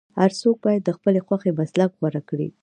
هر څوک باید د خپلې خوښې مسلک غوره کړي.